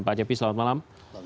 pak cepi selamat malam